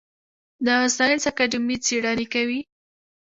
د ساینس اکاډمي څیړنې کوي؟